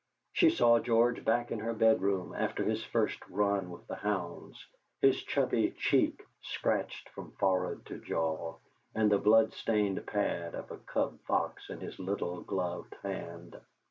She saw George back in her bedroom after his first run with the hounds, his chubby cheek scratched from forehead to jaw, and the bloodstained pad of a cub fox in his little gloved hand.